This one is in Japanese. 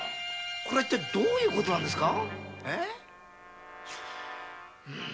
これは一体どういう事なんですか？